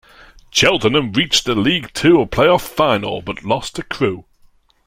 Cheltenham reached the League Two play-off final, but lost to Crewe.